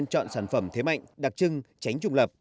chọn sản phẩm thế mạnh đặc trưng tránh trùng lập